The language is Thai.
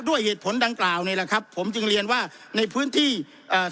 ด้วยเหตุผลดังกล่าวนี่แหละครับผมจึงเรียนว่าในพื้นที่เอ่อ